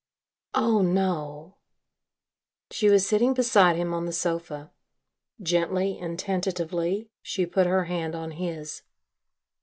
"Oh, no." She was sitting beside him on the sofa. Gently and tentatively she put her hand on his.